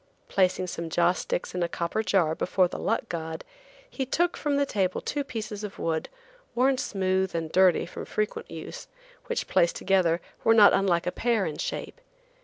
Placing some joss sticks in a copper jar before the luck god, he took from the table two pieces of wood, worn smooth and dirty from frequent use, which, placed together, were not unlike a pear in shape.